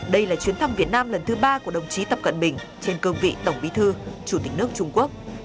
đây là chuyến thăm việt nam lần thứ ba của đồng chí tập cận bình trên cương vị tổng bí thư chủ tịch nước trung quốc